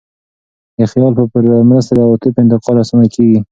د خیال په مرسته د عواطفو انتقال اسانه کېږي.